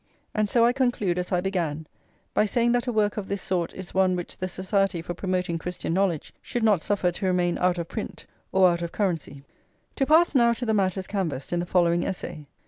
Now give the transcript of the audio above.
And so I conclude as I began, by saying that a work of this sort is one which the Society for Promoting Christian [viii] Knowledge should not suffer to remain out of print or out of currency. To pass now to the matters canvassed in the following essay.